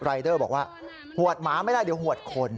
รายเดอร์บอกว่าหวดหมาไม่ได้เดี๋ยวหวดคน